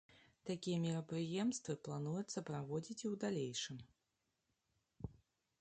Такія мерапрыемствы плануецца праводзіць і ў далейшым.